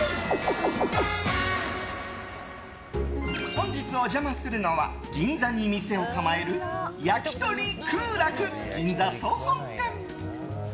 本日お邪魔するのは銀座に店を構える焼鳥くふ楽銀座総本店。